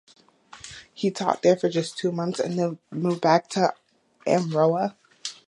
He taught there for just two months and then moved back to Amroha.